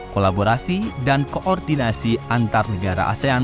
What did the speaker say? kolaborasi dan koordinasi antar negara asean